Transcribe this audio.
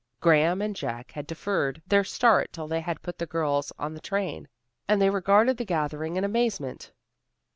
Graham and Jack had deferred their start till they had put the girls on the train, and they regarded the gathering in amazement.